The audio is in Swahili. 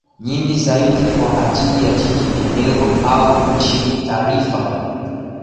nyingi zaidi kwa ajili ya jiji eneo au nchi Taarifa